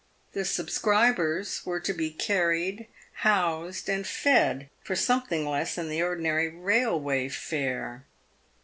The subscribers were to be carried, housed, and fed, for something less than the ordinary railway fare.